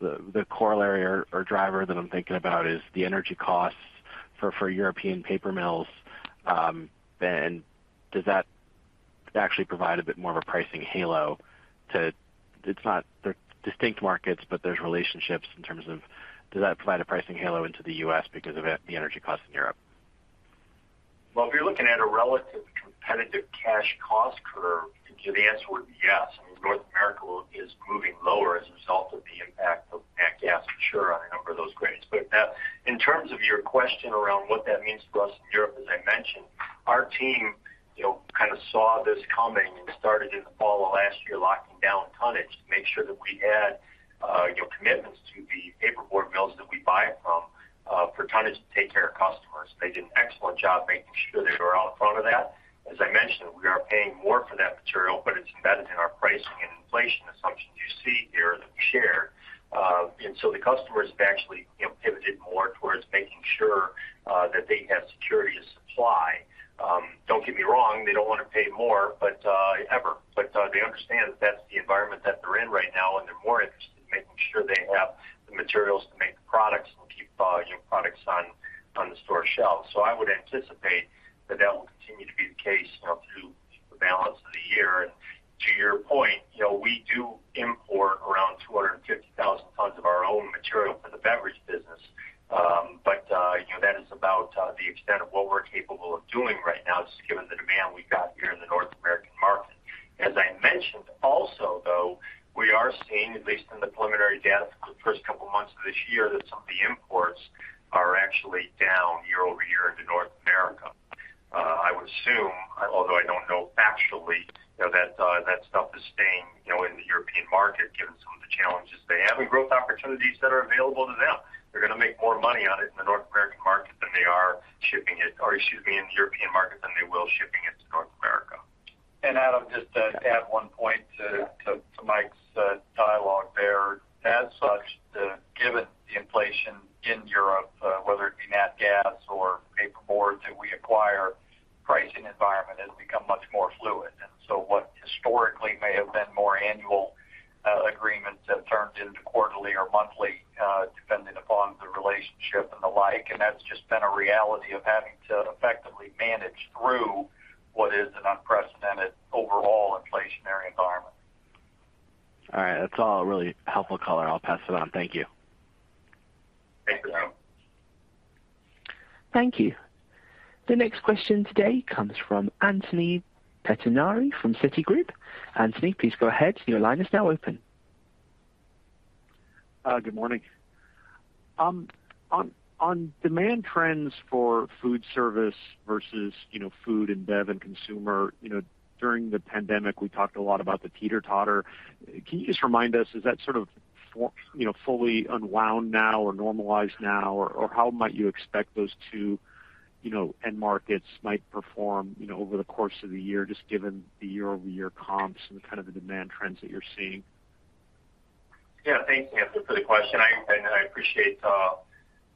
The corollary or driver that I'm thinking about is the energy costs for European paper mills. Does that actually provide a bit more of a pricing halo to. It's not. They're distinct markets, but there's relationships in terms of does that provide a pricing halo into the U.S. because of the energy costs in Europe? Well, if you're looking at a relative competitive cash cost curve, the answer would be yes. I mean, North America is moving lower as a result of the impact of nat gas, for sure, on a number of those grades. In terms of your question around what that means to us in Europe, as I mentioned, our team, you know, kind of saw this coming and started in the fall of last year locking down tonnage to make sure that we had, you know, commitments to the paperboard mills that we buy from, for tonnage to take care of customers. They did an excellent job making sure they were out in front of that. As I mentioned, we are paying more for that material, but it's embedded in our pricing and inflation assumptions you see here that we share. The customers have actually, you know, pivoted more towards making sure that they have security of supply. Don't get me wrong, they don't wanna pay more, but ever. They understand that that's the environment that they're in right now, and they're more interested in making sure they have the materials to make the products and keep, you know, products on the store shelves. I would anticipate that that will continue to be the case, you know, through the balance of the year. To your point, you know, we do import around 250,000 tons of our own material for the beverage business. You know, that is about the extent of what we're capable of doing right now just given the demand we've got here in the North American market. As I mentioned also, though, we are seeing, at least in the preliminary data for the first couple months of this year, that some of the imports are actually down year-over-year into North America. I would assume, although I don't know factually, you know, that that stuff is staying, you know, in the European market given some of the challenges they have and growth opportunities that are available to them. They're gonna make more money on it in the North American market than they are shipping it, or excuse me, in the European market than they will shipping it to North America. Adam, just to add one point to Mike's dialogue there. As such, given the inflation in Europe, whether it be nat gas or paperboard that we acquire, pricing environment has become much more fluid. That's just been a reality of having to effectively manage through what is an unprecedented overall inflationary environment. All right. That's all really helpful color. I'll pass it on. Thank you. Thanks, Adam. Thank you. The next question today comes from Anthony Pettinari from Citigroup. Anthony, please go ahead. Your line is now open. Good morning. On demand trends for food service versus, you know, food and bev and consumer, you know, during the pandemic, we talked a lot about the teeter-totter. Can you just remind us, is that sort of, you know, fully unwound now or normalized now? Or how might you expect those two, you know, end markets might perform, you know, over the course of the year, just given the year-over-year comps and kind of the demand trends that you're seeing? Yeah. Thanks, Anthony, for the question, and I appreciate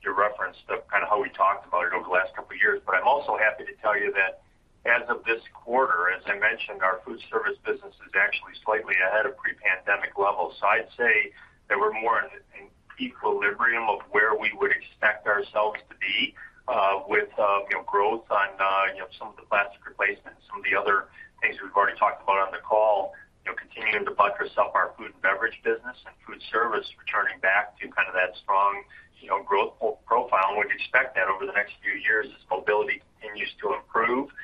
your reference to kind of how we talked about it over the last couple years. I'm also happy to tell you that as of this quarter, as I mentioned, our food service business is actually slightly ahead of pre-pandemic levels. I'd say that we're more in equilibrium of where we would expect ourselves to be, with you know, growth on you know, some of the plastic replacements, some of the other things we've already talked about on the call. You know, continuing to buffer some of our food and beverage business and food service returning back to kind of that strong, you know, growth profile. We'd expect that over the next few years, as mobility continues to improve,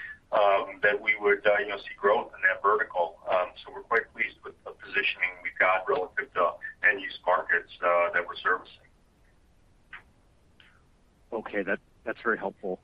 that we would you know, see growth in that vertical. We've got relative to end-use markets that we're servicing. Okay. That's very helpful.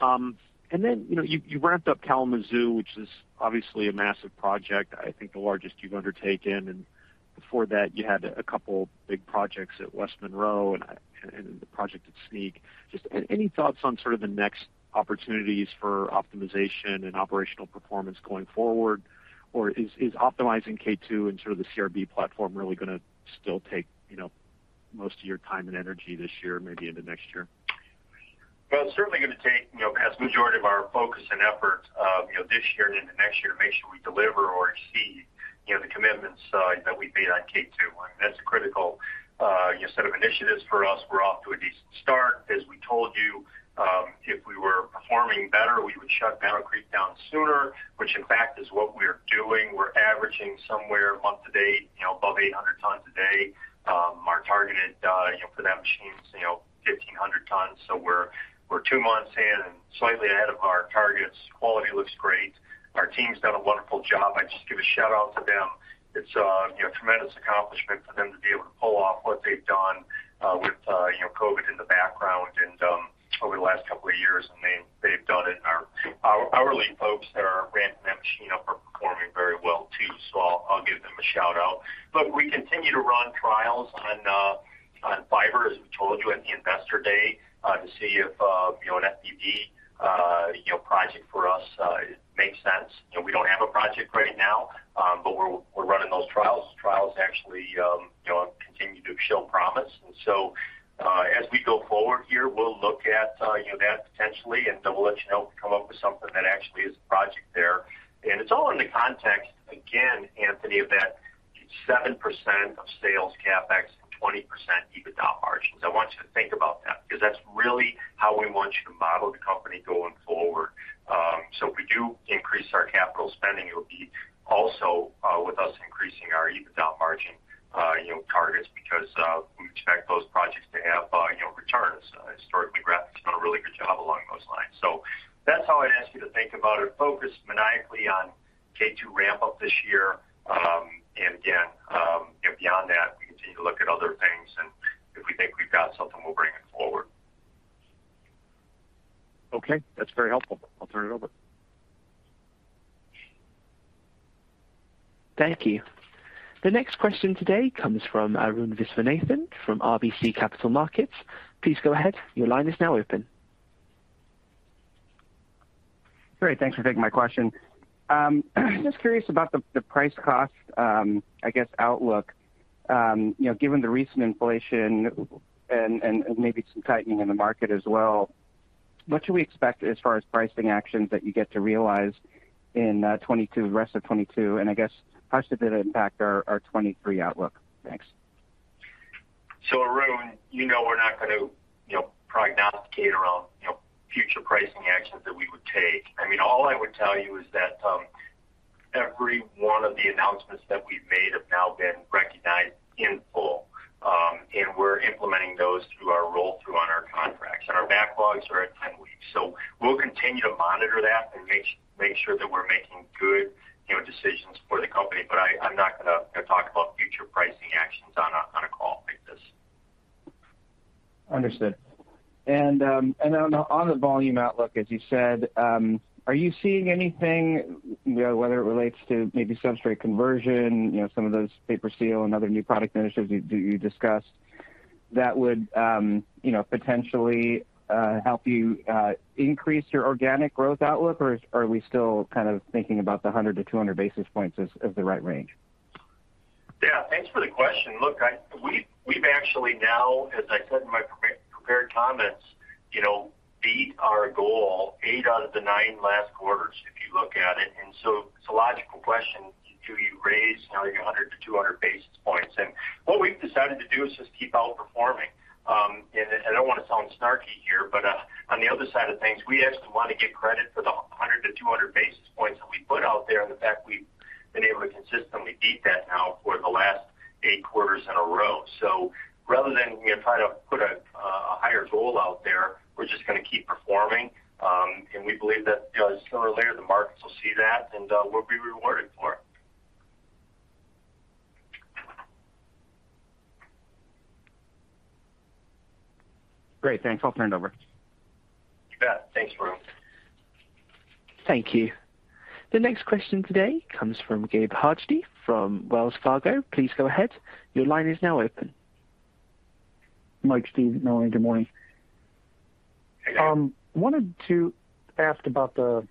Then, you know, you ramped up Kalamazoo, which is obviously a massive project, I think the largest you've undertaken. Before that you had a couple big projects at West Monroe and the project at Texarkana. Just any thoughts on sort of the next opportunities for optimization and operational performance going forward? Is optimizing K2 and sort of the CRB platform really gonna still take, you know, most of your time and energy this year, maybe into next year? Well, it's certainly gonna take, you know, as the majority of our focus and effort, this year and into next year, make sure we deliver or exceed, you know, the commitments that we've made on K2. That's a critical, you know, set of initiatives for us. We're off to a decent start. As we told you, if we were performing better, we would shut Battle Creek down sooner, which in fact, is what we're doing. We're averaging somewhere month to date, you know, above 800 tons a day. Our target for that machine is 1,500 tons. We're 2 months in and slightly ahead of our targets. Quality looks great. Our team's done a wonderful job. I just give a shout-out to them. It's you know a tremendous accomplishment for them to be able to pull off what they've done with you know COVID in the background and over the last couple of years. They've done it. Our hourly folks that are ramping that machine up are performing very well too, so I'll give them a shout-out. Look, we continue to run trials on fiber, as we told you at the Investor Day, to see if you know an FBB you know project for us makes sense. You know, we don't have a project right now, but we're running those trials. The trials actually you know continue to show promise. As we go forward here, we'll look at you know that potentially, and then we'll let you know if we come up with something that actually is a project there. It's all in the context, again, Anthony, of that 7% of sales CapEx and 20% EBITDA margins. I want you to think about that because that's really how we want you to model the company going forward. If we do increase our capital spending, it'll be also with us increasing our EBITDA margin you know targets because we expect those projects to have you know returns. Historically, Graphic's done a really good job along those lines. That's how I'd ask you to think about it. Focus maniacally on K2 ramp up this year. Again, you know, beyond that, we continue to look at other things, and if we think we've got something, we'll bring it forward. Okay, that's very helpful. I'll turn it over. Thank you. The next question today comes from Arun Viswanathan from RBC Capital Markets. Please go ahead. Your line is now open. Great. Thanks for taking my question. Just curious about the price cost, I guess, outlook. You know, given the recent inflation and maybe some tightening in the market as well, what should we expect as far as pricing actions that you get to realize in 2022, the rest of 2022, and I guess how much did it impact our 2023 outlook? Thanks. Arun, you know we're not going to, you know, prognosticate around, you know, future pricing actions that we would take. I mean, all I would tell you is that every one of the announcements that we've made have now been recognized in full. We're implementing those through our roll-through on our contracts. Our backlogs are at 10 weeks. We'll continue to monitor that and make sure that we're making good, you know, decisions for the company. I'm not gonna talk about future pricing actions on a call like this. Understood. Then on the volume outlook, as you said, are you seeing anything, you know, whether it relates to maybe substrate conversion, you know, some of those paper steel and other new product initiatives you discussed that would, you know, potentially help you increase your organic growth outlook, or are we still kind of thinking about 100 basis points-200 basis points as the right range? Yeah, thanks for the question. Look, we've actually now, as I said in my pre-prepared comments, you know, beat our goal eight out of the nine last quarters if you look at it. It's a logical question, do you raise another 100 basis points-200 basis points? What we've decided to do is just keep outperforming. I don't want to sound snarky here, but on the other side of things, we actually want to get credit for the 100 basis points-200 basis points that we put out there and the fact we've been able to consistently beat that now for the last eight quarters in a row. Rather than, you know, try to put a higher goal out there, we're just gonna keep performing. We believe that, you know, sooner or later, the markets will see that and we'll be rewarded for it. Great. Thanks. I'll turn it over. You bet. Thanks, Arun. Thank you. The next question today comes from Gabe Hajde from Wells Fargo. Please go ahead. Your line is now open. Mike, Steve. Good morning. Hey, Gabe. Wanted to ask about the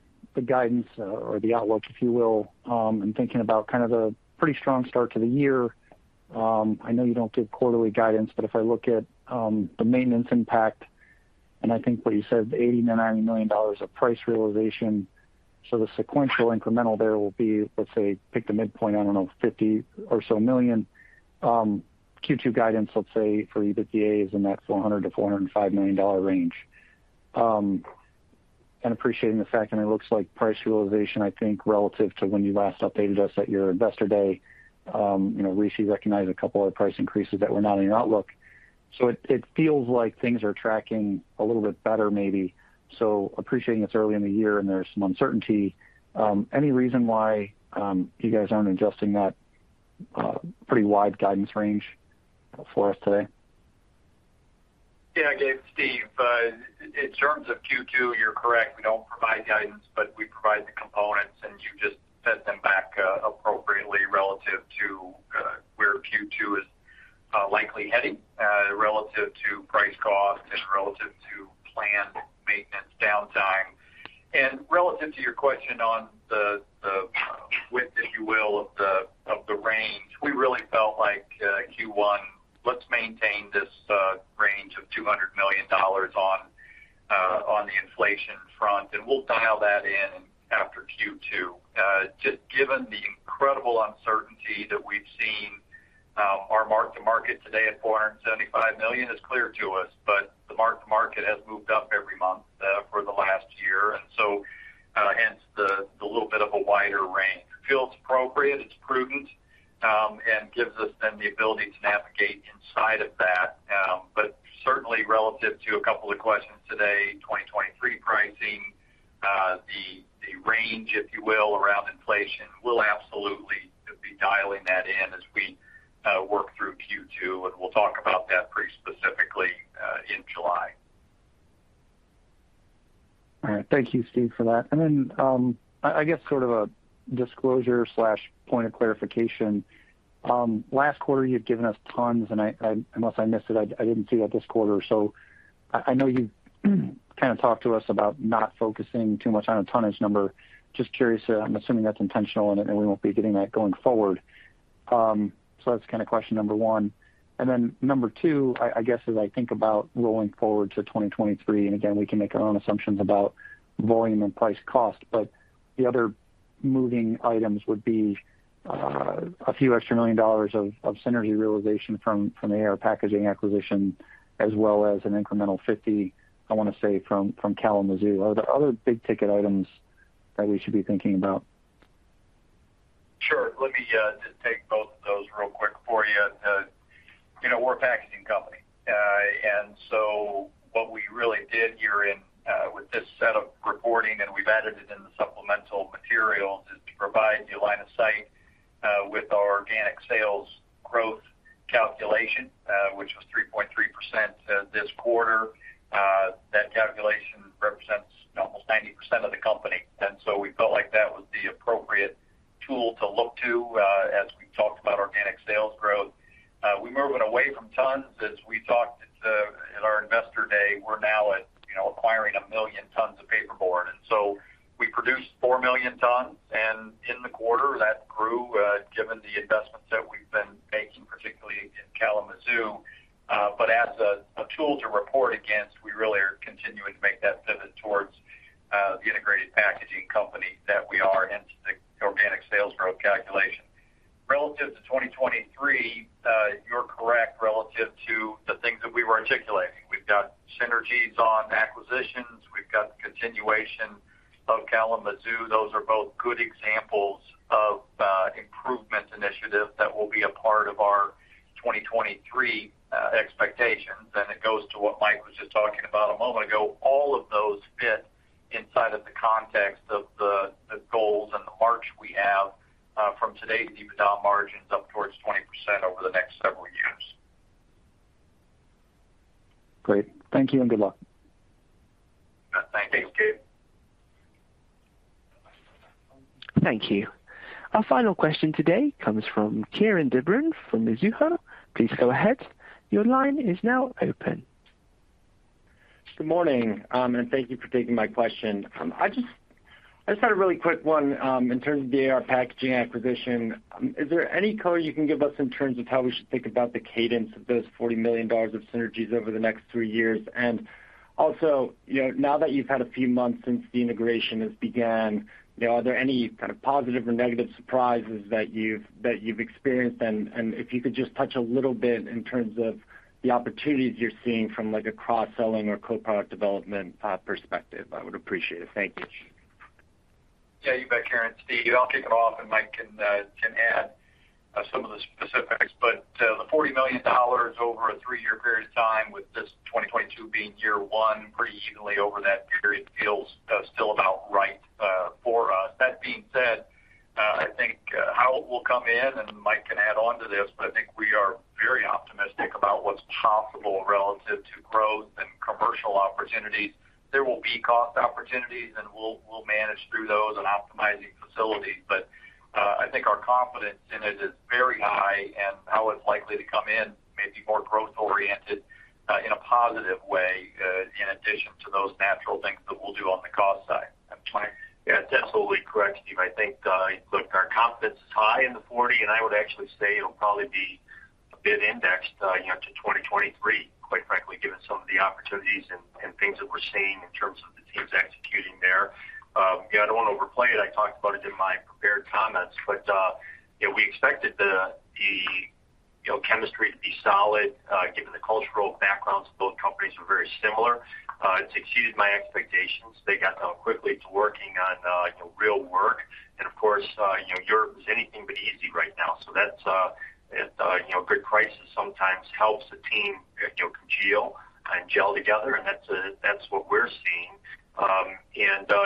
guidance or the outlook, if you will. I'm thinking about kind of the pretty strong start to the year. I know you don't give quarterly guidance, but if I look at the maintenance impact, and I think what you said, the $80 million-$90 million of price realization. The sequential incremental there will be, let's say, pick the midpoint, I don't know, $50 million or so. Q2 guidance, let's say, for EBITDA is in that $400 million-$405 million range. Appreciating the fact, I mean, it looks like price realization, I think relative to when you last updated us at your Investor Day, you know, recently recognized a couple other price increases that were not in your outlook. It feels like things are tracking a little bit better maybe. Appreciating it's early in the year and there's some uncertainty, any reason why you guys aren't adjusting that pretty wide guidance range for us today? Yeah, Gabe, Steve, in terms of Q2, you're correct. We don't provide guidance, but we provide the components, and you just set them back appropriately relative to where Q2 is likely heading relative to price cost and relative to planned maintenance downtime. Relative to your question on the width, if you will, of the range, we really felt like Q1. Let's maintain this range of $200 million on the inflation front, and we'll dial that in after Q2. Just given the incredible uncertainty that we've seen, our mark-to-market today at $475 million is clear to us, but the mark-to-market has moved up every month for the last year. Hence the little bit of a wider range. It feels appropriate, it's prudent, and gives us then the ability to navigate inside of that. Certainly relative to a couple of questions today, 2023 pricing, the range, if you will, around inflation, we'll absolutely be dialing that in as we work through Q2, and we'll talk about that pretty specifically in July. All right. Thank you, Steve, for that. Then, I guess sort of a disclosure/point of clarification. Last quarter you'd given us tons, and unless I missed it, I didn't see that this quarter. So I know you kind of talked to us about not focusing too much on a tonnage number. Just curious, I'm assuming that's intentional and that we won't be getting that going forward. So that's kinda question number one. Then number two, I guess as I think about rolling forward to 2023, and again, we can make our own assumptions about volume and price cost, but the other moving items would be a few extra $ million of synergy realization from AR Packaging acquisition, as well as an incremental 50, I wanna say from Kalamazoo. Are there other big ticket items that we should be thinking about? Sure. Let me just take both of those real quick for you. You know, we're a packaging company. What we really did here with this set of reporting, and we've added it in the supplemental materials, is to provide the line of sight with our organic sales growth calculation, which was 3.3%, this quarter. That calculation represents almost 90% of the company, and so we felt like that was the appropriate tool to look to as we talked about organic sales growth. We're moving away from tons. As we talked at our Investor Day, we're now at, you know, acquiring 1 million tons of paperboard. We produced 4 million tons, and in the quarter that grew, given the investments that we've been making, particularly in Kalamazoo. As a tool to report against, we really are continuing to make that pivot towards the integrated packaging company that we are into the organic sales growth calculation. Relative to 2023, you're correct relative to the things that we were articulating. We've got synergies on acquisitions. We've got the continuation of Kalamazoo. Those are both good examples of improvement initiatives that will be a part of our 2023 expectations. It goes to what Mike was just talking about a moment ago. All of those fit inside of the context of the goals and the march we have from today's EBITDA margins up towards 20% over the next several years. Great. Thank you, and good luck. Thank you. Thank you. Our final question today comes from Kieran de Brun from Mizuho. Please go ahead. Your line is now open. Good morning, thank you for taking my question. I just had a really quick one in terms of the AR Packaging acquisition. Is there any color you can give us in terms of how we should think about the cadence of those $40 million of synergies over the next three years? And also, you know, now that you've had a few months since the integration has began, you know, are there any kind of positive or negative surprises that you've experienced? And if you could just touch a little bit in terms of the opportunities you're seeing from like a cross-selling or co-product development perspective, I would appreciate it. Thank you. Yeah, you bet, Kieran. Steve, I'll kick it off, and Mike can add some of the specifics. The $40 million over a three-year period of time with this 2022 being year one, pretty evenly over that period feels still about right for us. That being said, I think how it will come in, and Mike can add on to this, but I think we are very optimistic about what's possible relative to growth and commercial opportunities. There will be cost opportunities, and we'll manage through those and optimizing facilities. I think our confidence in it is very high and how it's likely to come in may be more growth oriented in a positive way in addition to those natural things that we'll do on the cost side. Mike? Yeah, that's absolutely correct, Steve. I think, look, our confidence is high in the 40, and I would actually say it'll probably be a bit indexed, you know, to 2023, quite frankly, given some of the opportunities and things that we're seeing in terms of the teams executing there. Again, I don't wanna overplay it. I talked about it in my prepared comments, but, you know, we expected the chemistry to be solid, given the cultural backgrounds of both companies were very similar. It's exceeded my expectations. They got down quickly to working on, you know, real work. And of course, you know, Europe is anything but easy right now, so that's, you know, a good crisis sometimes helps the team, you know, congeal and gel together, and that's what we're seeing.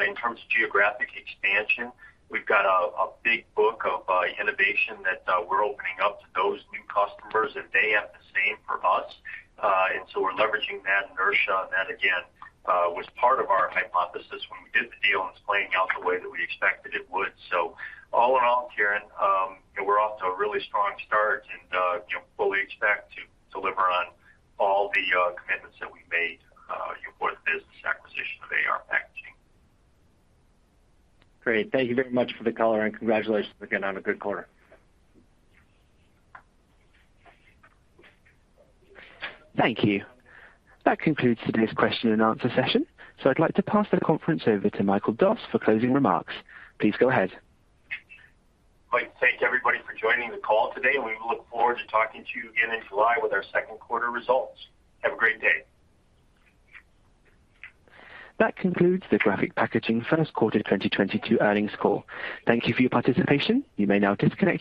In terms of geographic expansion, we've got a big book of innovation that we're opening up to those new customers, and they have the same for us. We're leveraging that inertia, and that again was part of our hypothesis when we did the deal, and it's playing out the way that we expected it would. All in all, Kieran, you know, we're off to a really strong start and, you know, fully expect to deliver on all the commitments that we made for the business acquisition of AR Packaging. Great. Thank you very much for the color, and congratulations again on a good quarter. Thank you. That concludes today's question and answer session. I'd like to pass the conference over to Michael Doss for closing remarks. Please go ahead. Mike, thank everybody for joining the call today, and we will look forward to talking to you again in July with our Q2 results. Have a great day. That concludes the Graphic Packaging Q1 2022 earnings call. Thank you for your participation. You may now disconnect your lines.